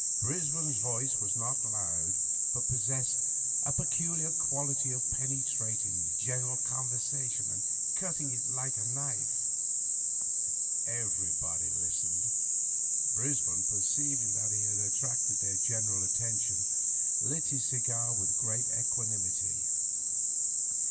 Brisbane's voice was not loud, but possessed a peculiar quality of penetrat ing general conversation, and cutting it like a knife. Everybody listened. Brisbane, perceiving that he had attracted their general attention, lit his cigar with great equanimity.